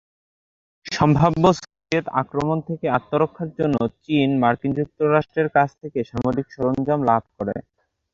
সম্ভাব্য সোভিয়েত আক্রমণ থেকে আত্মরক্ষার জন্য চীন মার্কিন যুক্তরাষ্ট্রের কাছ থেকে সামরিক সরঞ্জাম লাভ করে।